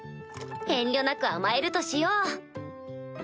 遠慮なく甘えるとしよう。